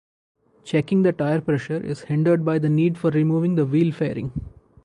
Checking the tire pressure is hindered by the need for removing the wheel fairing.